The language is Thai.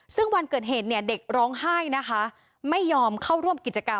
ซึ่งวันเกิดเหตุเนี่ยเด็กร้องไห้นะคะไม่ยอมเข้าร่วมกิจกรรม